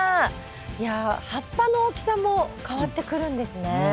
いや葉っぱの大きさも変わってくるんですね。